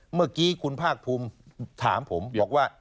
เมื่อกี้คุณภาคภูมิถามผมบอกว่า